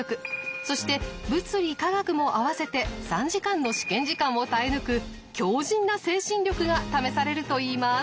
そして物理化学も合わせて３時間の試験時間を耐え抜く強じんな精神力が試されるといいます。